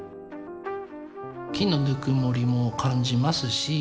木のぬくもりも感じますし。